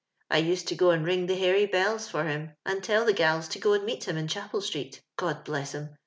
I used to go and ring the hairy bells for him, and tell the gals to go and meet him in Chapel street, God bless him!